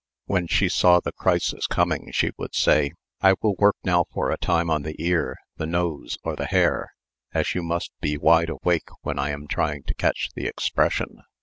When she saw the crisis coming she would say: "I will work now for a time on the ear, the nose, or the hair, as you must be wide awake when I am trying to catch the expression."